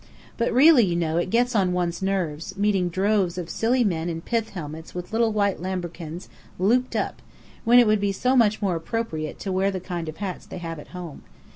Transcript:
But really, you know, it gets on one's nerves, meeting droves of silly men in pith helmets with little white lambrequins looped up, when it would be so much more appropriate to wear the kind of hats they have at home.